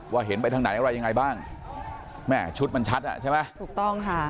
เห็นไปทางไหนอะไรยังไงบ้างแม่ชุดมันชัดอ่ะใช่ไหมถูกต้องค่ะ